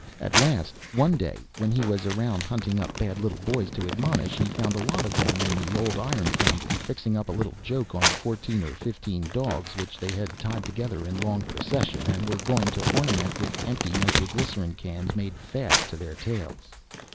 At last, one day, when he was around hunting up bad little boys to admonish, he found a lot of them in the old iron foundry fixing up a little joke on fourteen or fifteen dogs, which they had tied together in long procession, and were going to ornament with empty nitroglycerin cans made fast to their tails.